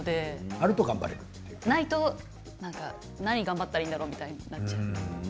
ないと何を頑張ったらいいんだろうみたいになっちゃう。